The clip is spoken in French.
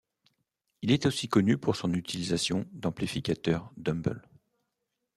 Il est aussi connu pour son utilisation d'amplificateurs Dumble.